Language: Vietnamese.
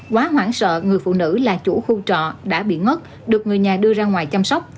quá hoảng sợ người phụ nữ là chủ khu trọ đã bị ngất được người nhà đưa ra ngoài chăm sóc